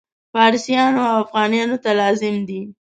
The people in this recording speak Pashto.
فارسیانو او افغانانو ته لازم دي.